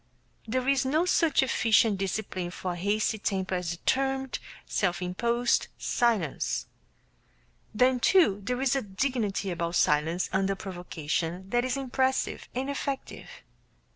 There is no such efficient discipline for a hasty temper as determined, self imposed silence. Then, too, there is a dignity about silence under provocation that is impressive and effective.